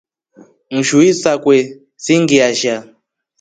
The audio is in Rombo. Nshui sakwe sii ngiasha.